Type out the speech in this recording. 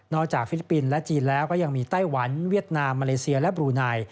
ฟิลิปปินส์และจีนแล้วก็ยังมีไต้หวันเวียดนามมาเลเซียและบรูไน